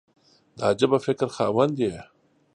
د عجبه فکر خاوند یې !